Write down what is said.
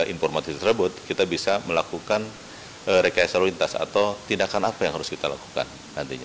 informasi tersebut kita bisa melakukan rekayasa lalu lintas atau tindakan apa yang harus kita lakukan nantinya